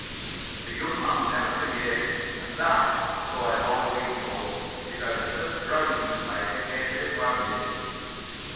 The young man never forgave it. And that, so I have always been told, is how the first Browning Society came to be founded.